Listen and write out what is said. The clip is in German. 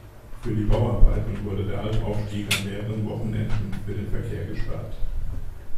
Für die Bauarbeiten wurde der Albaufstieg an mehreren Wochenenden für den Verkehr gesperrt.